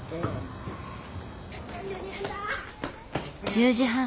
１０時半。